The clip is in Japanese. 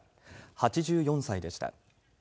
８４歳でした。